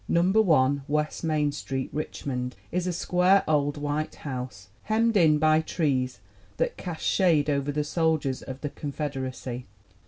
Num ber One West Main Street, Richmond, is a square old white house, "hemmed in by trees that cast shade over the soldiers of the Confederacy."